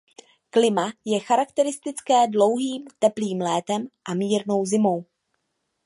Klima je charakteristické dlouhým a teplým létem a mírnou zimou.